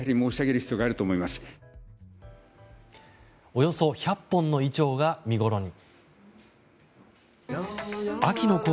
およそ１００本のイチョウが見ごろに。